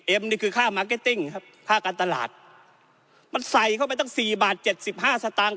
นี่คือค่ามาร์เก็ตติ้งครับค่าการตลาดมันใส่เข้าไปตั้งสี่บาทเจ็ดสิบห้าสตางค์